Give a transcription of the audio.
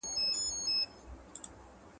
زه اوس د تکړښت لپاره ځم،